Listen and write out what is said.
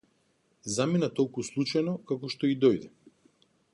Замина толку случајно како што и дојде.